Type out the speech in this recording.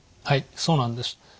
はいそうなんです。